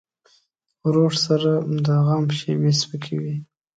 ورور سره د غم شیبې سپکې وي.